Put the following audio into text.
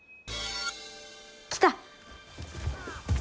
来た！